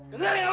dengar ya lu